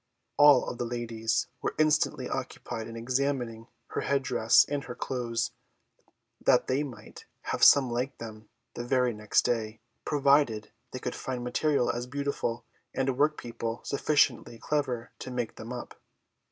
All the ladies were intently occupied in examining her head dress and her clothes, that they might have some like them the very next day, provided they could find materials as beautiful, and workpeople sufficiently clever to make them up.